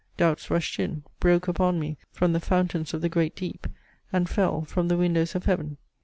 Doubts rushed in; broke upon me "from the fountains of the great deep," and fell "from the windows of heaven."